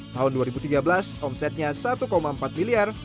tahun dua ribu tiga belas omsetnya satu empat miliar